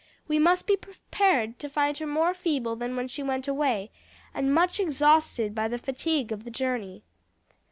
We must be prepared to find her more feeble than when she went away, and much exhausted by the fatigue of the journey."